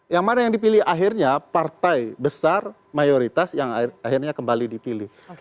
yang mana yang dipilih akhirnya partai besar mayoritas yang akhirnya kembali dipilih